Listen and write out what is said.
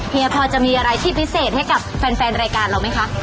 พอจะมีอะไรที่พิเศษให้กับแฟนรายการเราไหมคะ